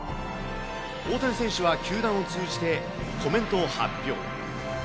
大谷選手は球団を通じて、コメントを発表。